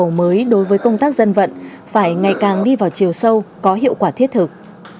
đầu mới đối với công tác dân vận phải ngày càng đi vào chiều sâu có hiệu quả thiết thực